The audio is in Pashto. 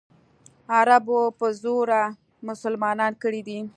عربو په زوره مسلمانان کړي دي.